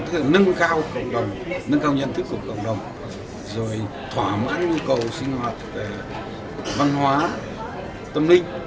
tức là nâng cao cộng đồng nâng cao nhân thức của cộng đồng rồi thỏa mãn nhu cầu sinh hoạt văn hóa tâm linh